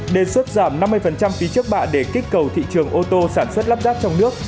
đề xuất giảm năm mươi phí trước bạ để kích cầu thị trường ô tô sản xuất lắp ráp trong nước